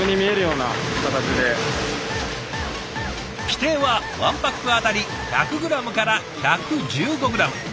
規定は１パック当たり１００ｇから１１５ｇ。